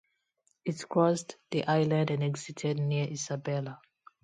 It crossed the island and exited near Isabela.